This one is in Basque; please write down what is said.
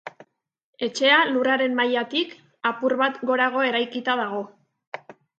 Etxea lurraren mailatik apur bat gorago eraikita dago.